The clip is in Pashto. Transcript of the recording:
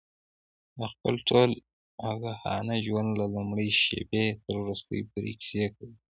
د خپل ټول آګاهانه ژوند له لومړۍ شېبې تر وروستۍ پورې کیسې کوي.